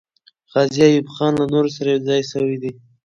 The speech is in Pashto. غازي ایوب خان له نورو سره یو ځای سوی دی.